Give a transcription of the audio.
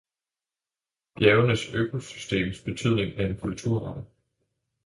Bjergenes økosystems betydning er en kulturarv.